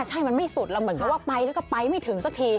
ใช่มันไม่สุดแล้วเหมือนกับว่าไปแล้วก็ไปไม่ถึงสักที